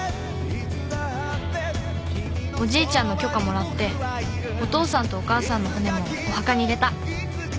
「おじいちゃんの許可もらってお父さんとお母さんの骨もお墓に入れた。